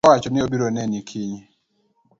Dawa owacho ni obiro neni kiny.